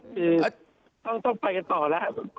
คุณพระอาจารย์ต้องไปกันต่อแล้ว